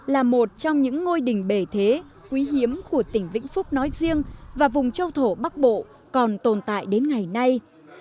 là một trong những ngôi đình bề thế quý hiếm của tỉnh vĩnh phúc nói riêng và vùng châu thổ bắc bộ còn tồn tại đến ngày nay